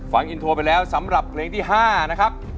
ฟังอินโทรไปแล้วสำหรับเพลงที่๕นะครับ